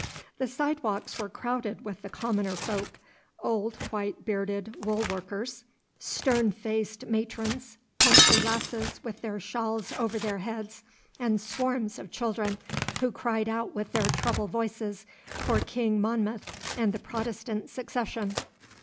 The side walks were crowded with the commoner folk old white bearded wool workers, stern faced matrons, country lasses with their shawls over their heads, and swarms of children, who cried out with their treble voices for King Monmouth and the Protestant succession.